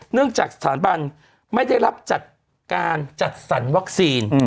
จากสถาบันไม่ได้รับจัดการจัดสรรวัคซีน